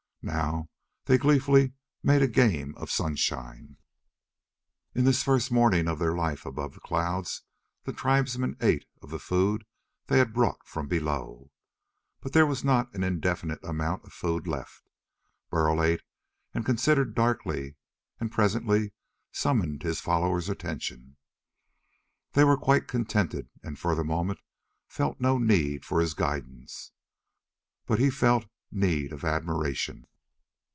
Now they gleefully made a game of sunshine. In this first morning of their life above the clouds, the tribesmen ate of the food they had brought from below. But there was not an indefinite amount of food left. Burl ate, and considered darkly, and presently summoned his followers' attention. They were quite contented and for the moment felt no need of his guidance. But he felt need of admiration.